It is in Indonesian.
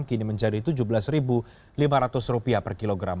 kini menjadi rp tujuh belas lima ratus per kilogram